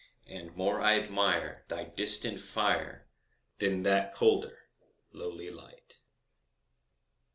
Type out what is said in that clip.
And more I admire Thy distant fire, Than that colder, lowly light.